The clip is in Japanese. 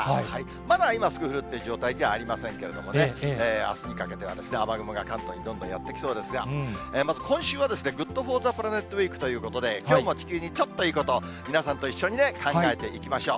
まだ、今すぐ降るという状態ではありませんけどもね、あすにかけては雨雲が関東にどんどんやって来そうですが、まず今週は、ＧｏｏｄＦｏｒｔｈｅＰｌａｎｅｔウィークということで、きょうも地球にちょっといいこと、皆さんと一緒に考えていきましょう。